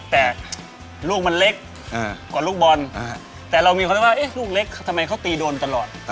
แต่ลูกมันเล็กกว่าลูกบอลแต่เรามีความคิดว่าลูกเล็กทำไมเขาตีโดนตลอด